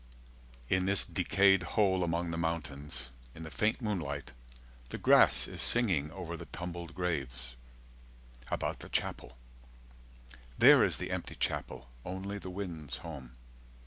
In this decayed hole among the mountains In the faint moonlight, the grass is singing Over the tumbled graves, about the chapel There is the empty chapel, only the wind's home.